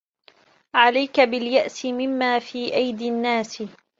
عَلَيْك بِالْيَأْسِ مِمَّا فِي أَيْدِي النَّاسِ